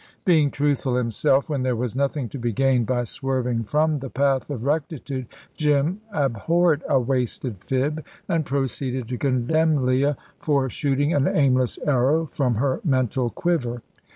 Being truthful himself, when there was nothing to be gained by swerving from the path of rectitude, Jim abhorred a wasted fib, and proceeded to condemn Leah for shooting an aimless arrow from her mental quiver.